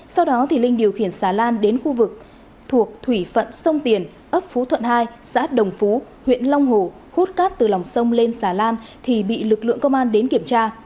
sau đó linh điều khiển xà lan đến khu vực thuộc thủy phận sông tiền ấp phú thuận hai xã đồng phú huyện long hổ hút cát từ lòng sông lên xà lan thì bị lực lượng công an đến kiểm tra